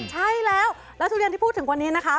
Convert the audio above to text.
ใช่แล้วแล้วทุเรียนที่พูดถึงวันนี้นะคะ